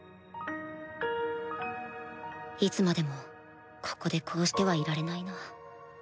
いつまでもここでこうしてはいられないな